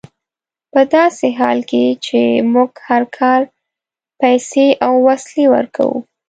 په داسې حال کې چې موږ هر کال پیسې او وسلې ورکوو.